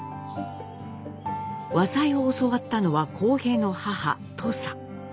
和裁を教わったのは康平の母とさ。